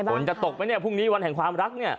ต้องคิดจะตกป่อะเนี่ยวันแห่งความรักเนี่ย